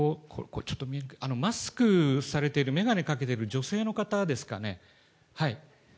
マスクされてる、眼鏡かけてる女性の方ですかね。